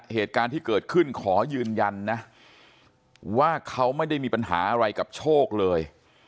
เหตุการณ์ที่เกิดขึ้นขอยืนยันนะว่าเขาไม่ได้มีปัญหาอะไรกับโชคเลย